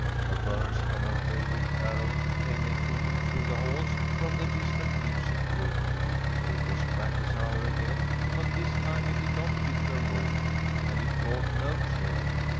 A verse from her favourite carol came echoing through the halls from the distant music room, for it was practice hour again, but this time it did not fit her mood, and it brought no cheer.